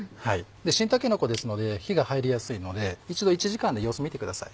新たけのこですので火が入りやすいので一度１時間で様子見てください。